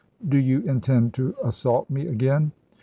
"Do you intend to assault me again?"